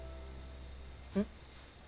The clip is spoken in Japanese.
うん？